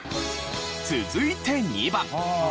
続いて２番。